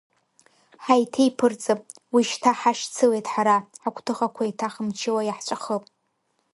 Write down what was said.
Ҳаиҭеиԥырҵып, уи шьҭа ҳашьцылеит ҳара, ҳагәҭыхақәа еиҭах мчыла иаҳҵәахып.